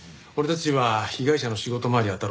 俺たちは被害者の仕事周り